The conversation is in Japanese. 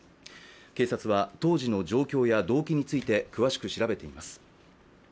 警察は、当時の状況や動機について詳しく調べています。